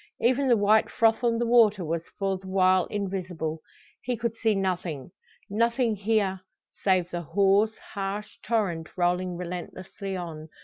Even the white froth on the water was for the while invisible. He could see nothing nothing hear, save the hoarse, harsh torrent rolling relentlessly on.